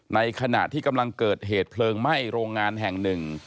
ในขณะที่กำลังเกิดเหตุเพลิงไหม้โรงงานแห่งหนึ่ง